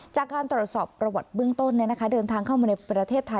จากการตรวจสอบประวัติเบื้องต้นเดินทางเข้ามาในประเทศไทย